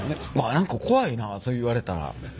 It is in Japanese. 何か怖いなそう言われたら。